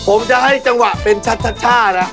ผมจะให้จังหวะเป็นชัดนะ